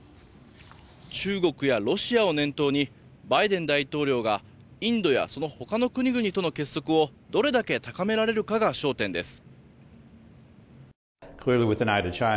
中国やロシアを念頭にバイデン大統領がインドやそのほかの国々との結束をどれだけ高められるかが焦点です。